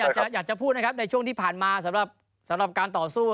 อยากจะอยากจะพูดนะครับในช่วงที่ผ่านมาสำหรับสำหรับการต่อสู้